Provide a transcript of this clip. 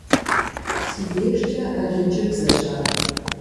Си дежкIэ алыджыбзэщ ар.